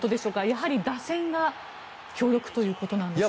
やはり、打線が強力ということなんですか。